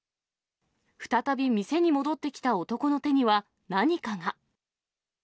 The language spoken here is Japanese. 再び店に戻ってきた男の手には何かが。